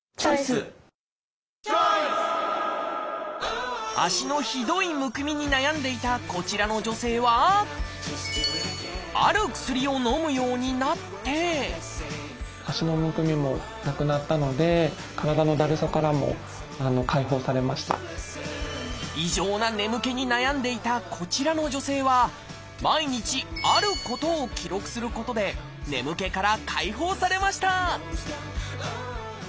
チョイス！に悩んでいたこちらの女性はある薬をのむようになってに悩んでいたこちらの女性は毎日あることを記録することで眠気から解放されました